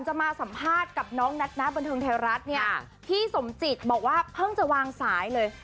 จะมาสัมภาษณ์กับน้องนัทนะบันเทิงไทยรัฐเนี่ยพี่สมจิตบอกว่าเพิ่งจะวางสายเลย